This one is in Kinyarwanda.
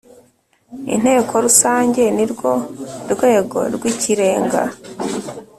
Inteko Rusange nirwo rwego rw ‘Ikirenga.